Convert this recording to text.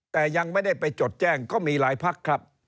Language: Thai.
แต่ยังไม่ได้ไปจดแจ้งก็มีหลายพักครับ